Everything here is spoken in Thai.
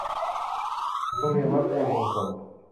โรงเรียนวัดบวรมงคล